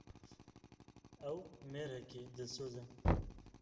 Ew mêrekî dilsoz e.